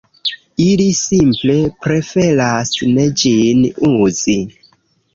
Ili simple preferas ne ĝin uzi.